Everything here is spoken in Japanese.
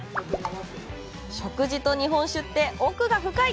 食事と日本酒って、奥が深い！